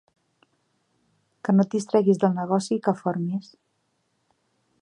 Que no et distreguis del negoci i que formis